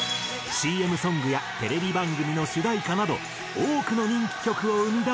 ＣＭソングやテレビ番組の主題歌など多くの人気曲を生み出し。